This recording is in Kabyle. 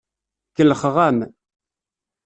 Kellxeɣ-am.